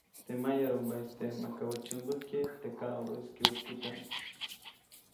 Teʼ mayarumaʼiste makabäʼ tsyämbäjkye teʼ kaʼubäʼis kyuʼtkutyaʼm.